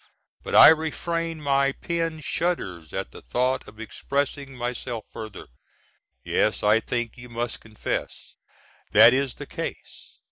but I refrain my very pen shudders at the thought of expressing myself further. Yes, I think you must confess that is the case.